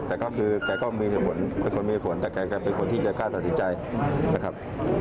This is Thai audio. แต่ก็คือแกก็มีผลเป็นคนมีผลแต่แกเป็นคนที่จะกล้าตัดสินใจนะครับ